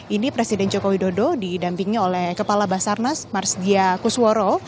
ini presiden joko widodo didampingi oleh kepala basarnas marsdia kusworo